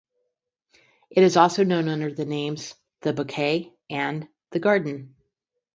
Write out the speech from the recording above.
It is also known under the names The Bouquet and The Garden.